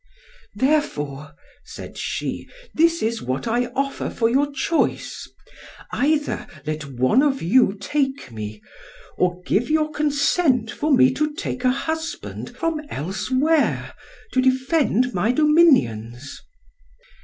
"Therefore," said she, "this is what I offer for your choice: either let one of you take me, or give your consent for me to take a husband from elsewhere, to defend my dominions."